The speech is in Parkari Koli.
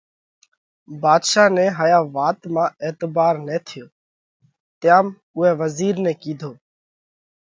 ڀاڌشا نئہ هايا وات مانه اعتڀار نہ ٿيو، تيام اُوئہ وزِير نئہ ڪِيڌو: